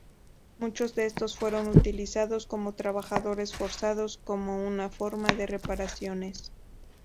Muchos de estos fueron utilizados como trabajadores forzados, como una forma de "reparaciones".